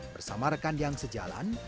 bersama rekan yang sejalan